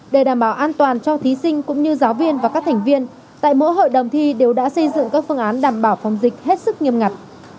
để đảm bảo an toàn cho thí sinh cũng như giáo viên và các thành viên tại mỗi hội đồng thi đều đã xây dựng các phương án đảm bảo phòng dịch hết sức nghiêm ngặt